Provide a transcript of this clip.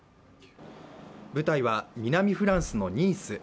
舞台は南フランスのニース。